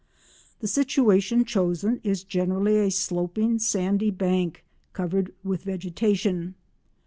The situation chosen is generally a sloping sandy bank covered with vegetation.